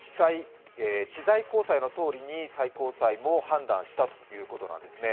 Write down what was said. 知財高裁のとおりに最高裁も判断したということなんですね。